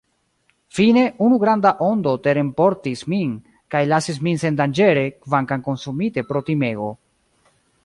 Fine, unu granda ondo terenportis min, kaj lasis min sendanĝere, kvankam konsumite pro timego.